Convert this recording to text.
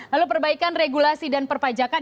lalu perbaikan regulasi dan perpajakan